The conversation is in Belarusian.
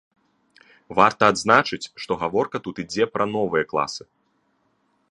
Варта адзначыць, што гаворка тут ідзе пра новыя класы.